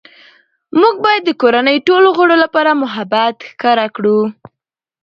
موږ باید د کورنۍ ټولو غړو لپاره محبت ښکاره کړو